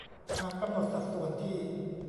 หากกำหนดสัดส่วนที่